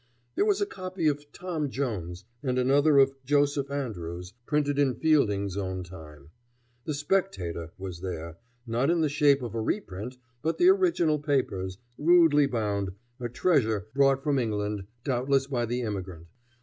There was a copy of "Tom Jones," and another of "Joseph Andrews," printed in Fielding's own time. The "Spectator" was there, not in the shape of a reprint, but the original papers, rudely bound, a treasure brought from England, doubtless, by the immigrant.